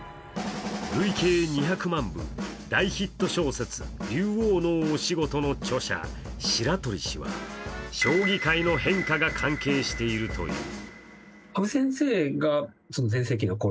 累計２００万部、大ヒット小説「りゅうおうのおしごと！」の著者、白鳥氏は将棋界の変化が関係しているという。